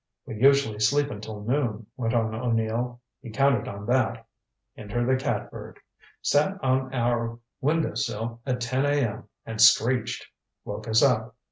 "We usually sleep until noon," went on O'Neill. "He counted on that. Enter the catbird. Sat on our window sill at ten A.M. and screeched. Woke us up.